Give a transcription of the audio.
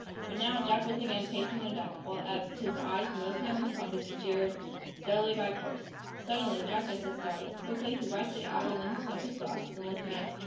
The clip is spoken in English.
But now, Jack was again pacing the deck, while Eph, his eyes mostly on the compass, steered steadily by course. Suddenly, Jack Benson started. Quickly he wiped the outer lenses of his glass, then looked again.